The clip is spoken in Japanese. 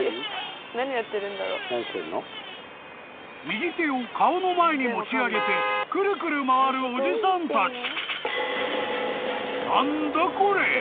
［右手を顔の前に持ち上げてくるくる回るおじさんたち］